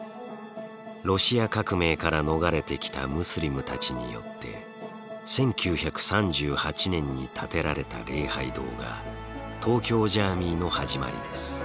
ロシア革命から逃れてきたムスリムたちによって１９３８年に建てられた礼拝堂が東京ジャーミイの始まりです。